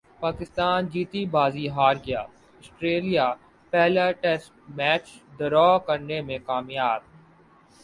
پاکستان جیتی بازی ہار گیا سٹریلیا پہلا ٹیسٹ میچ ڈرا کرنے میں کامیاب